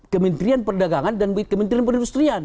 kementerian perdagangan dan kementerian kementerian penindustrian